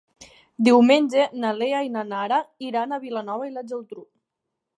Diumenge na Lea i na Nara iran a Vilanova i la Geltrú.